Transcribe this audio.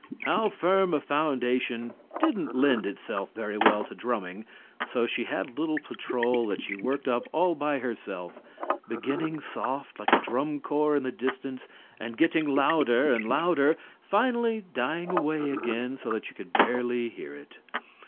"How Firm a Foundation" didn't lend itself very well to drumming; so she had a little patrol that she worked up all by herself, beginning soft, like a drum corps in the distance, and getting louder and louder, finally dying away again so that you could barely near it.